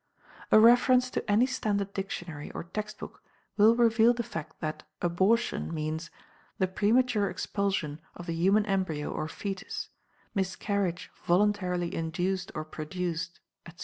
A reference to any standard dictionary or textbook will reveal the fact that "Abortion" means: "the premature expulsion of the human embryo or foetus; miscarriage voluntarily induced or produced," etc.